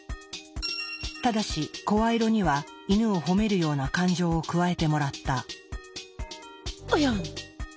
ただし声色にはイヌを褒めるような感情を加えてもらった。